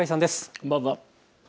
こんばんは。